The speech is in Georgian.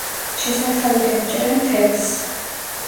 შესართავიდან იჭერენ თევზს.